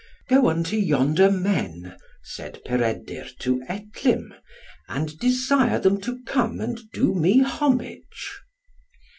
"Go unto yonder men," said Peredur to Etlym, "and desire them to come and do me homage."